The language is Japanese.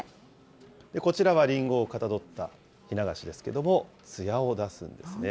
こちらはリンゴをかたどったひな菓子ですけれども、つやを出すんですね。